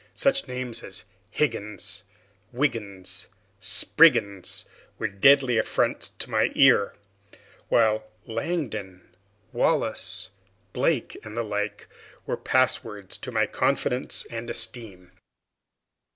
Such names as Higgins, Wiggins, and Spriggins were deadly affronts to my ear; while Langdon, Wallace, Blake, and the like, were passwords to my confidence and esteem.